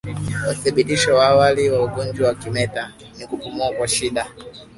Uthibitisho wa awali wa ugonjwa wa kimeta ni kupumua kwa shida